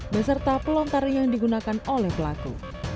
beserta pelontar yang digunakan oleh pelaku